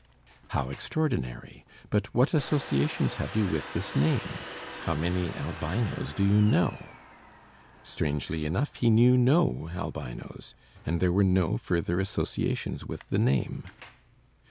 How extraordinary, but what associations have you with this name? How many albinoes do you know? Strangely enough, he knew no albinoes, and there were no further associations with the name.